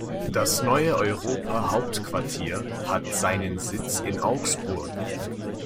Das neue Europa Hauptquartier hat seinen Sitz in Augsburg.